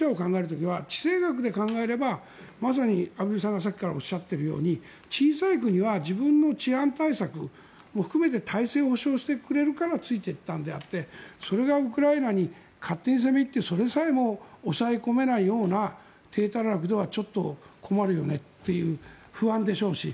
地政学で考えればまさに畔蒜さんがさっきからおっしゃっているように小さい国は自分の治安対策も含めて体制を保証してくれるからついていったのであってそれがウクライナに勝手に攻め入って、それさえも抑え込めないような体たらくではちょっと困るよねという不安でしょうし。